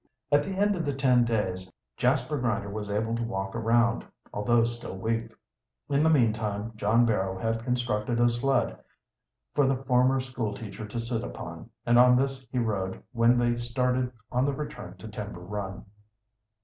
At the end of the ten days Jasper Grinder was able to walk around, although still weak. In the meantime John Barrow had constructed a sled for the former school teacher to sit upon, and on this he rode when they started on the return to Timber Run.